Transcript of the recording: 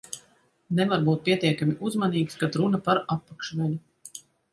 Nevar būt pietiekami uzmanīgs, kad runa par apakšveļu.